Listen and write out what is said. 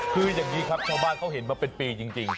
คืออย่างนี้ครับชาวบ้านเขาเห็นมาเป็นปีจริง